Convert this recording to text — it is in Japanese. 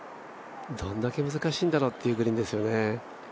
どれだけ難しいんだろうというグリーンですよね。